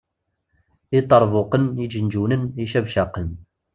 Iṭerbuqen, iǧenǧunen, icabcaqen.